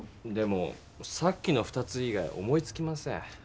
でもさっきの２つ以外思いつきません。